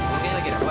mungkin lagi rakot ya